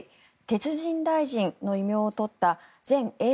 鉄人大臣の異名を取った前衛